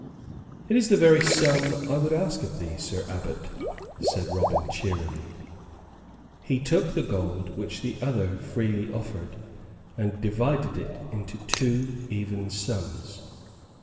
"It is the very sum I would ask of thee, Sir Abbot," said Robin, cheerily. He took the gold which the other freely offered, and divided it into two even sums.